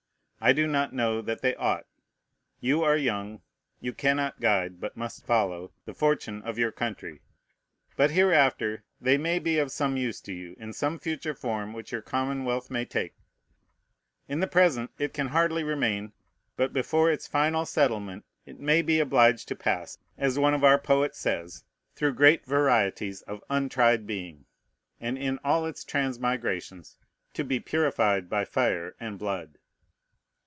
I do not know that they ought. You are young; you cannot guide, but must follow, the fortune of your country. But hereafter they may be of some use to you, in some future form which your commonwealth may take. In the present it can hardly remain; but before its final settlement, it may be obliged to pass, as one of our poets says, "through great varieties of untried being," and in all its transmigrations to be purified by fire and blood.